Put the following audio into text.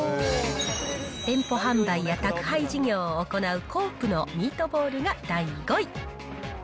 店舗販売や宅配事業を行うコープのミートボールが第５位。